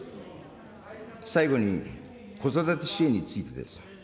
最後に、子育て支援についてです。